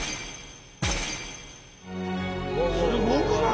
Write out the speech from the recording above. すごくない？